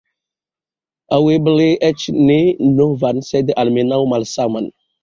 Aŭ eble eĉ ne novan sed almenaŭ malsaman.